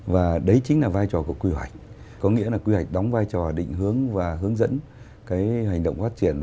và đấy chính là vai trò của quy hoạch có nghĩa là quy hoạch đóng vai trò định hướng và hướng dẫn cái hành động phát triển